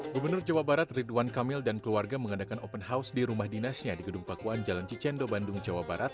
gubernur jawa barat ridwan kamil dan keluarga mengadakan open house di rumah dinasnya di gedung pakuan jalan cicendo bandung jawa barat